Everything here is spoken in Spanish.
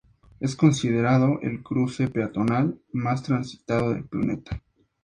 Es considerado el cruce peatonal más transitado del planeta.